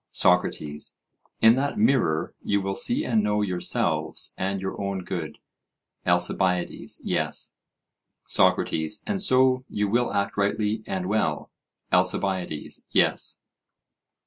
SOCRATES: In that mirror you will see and know yourselves and your own good? ALCIBIADES: Yes. SOCRATES: And so you will act rightly and well? ALCIBIADES: Yes.